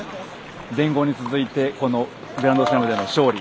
全豪に続いてこのグランドスラムでの勝利